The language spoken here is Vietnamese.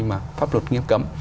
mà pháp luật nghiêm cấm